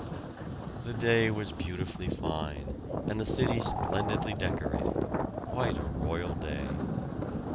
The day was beautifully fine and the city splendidly decorated, quite a royal day.